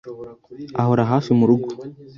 Ahora hafi murugo.